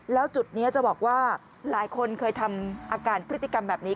แล้วจุดนี้จะบอกว่าหลายคนเคยทำอาการพฤติกรรมแบบนี้